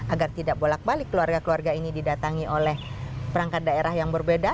agar tidak bolak balik keluarga keluarga ini didatangi oleh perangkat daerah yang berbeda